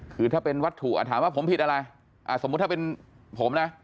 คือถ้าเป็นวัตถุอ่ะถามว่าผมผิดอะไรสมมุติถ้าเป็นผมนะ